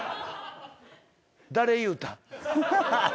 「誰言うた？」